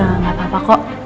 rara udah gak apa apa kok